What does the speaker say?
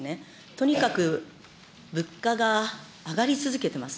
とにかく物価が上がり続けてます。